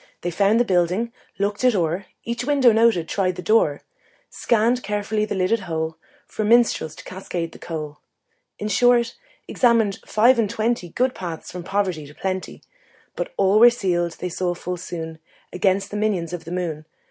They found the building, looked it o'er, Each window noted, tried each door, Scanned carefully the lidded hole For minstrels to cascade the coal In short, examined five and twenty Good paths from poverty to plenty. But all were sealed, they saw full soon, Against the minions of the moon.